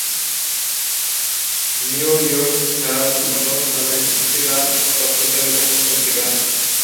New York Herald হ'ল ধারাবাহিক ক্রীড়া সংবাদ প্রচারের প্রথম পত্রিকা।